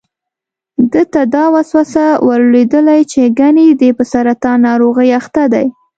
ده ته دا وسوسه ور لوېدلې چې ګني دی په سرطان ناروغۍ اخته دی.